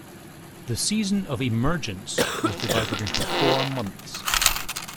The Season of the Emergence was divided into four months.